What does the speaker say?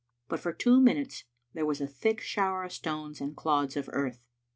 But for two minutes there was a thick shower of stones and clods of earth.